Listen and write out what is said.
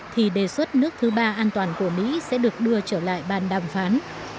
thì đề xuất nước thứ ba an toàn của mỹ sẽ được đưa ra một thông tin